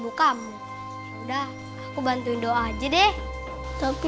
kok dia bisa disini